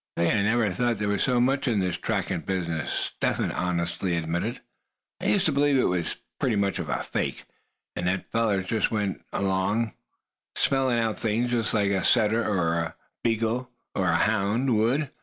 "Say, I never thought there was so much in this trackin' business," Step Hen honestly admitted. "I used to believe it was pretty much of a fake, and that fellers just kind of went along, smellin' out things, like a setter or a hound would.